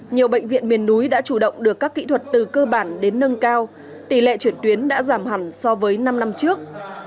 nhiều bệnh viện miền núi đã chủ động được các kỹ thuật từ cơ bản đến nâng cao tỷ lệ chuyển tuyến đã giảm hẳn so với năm năm trước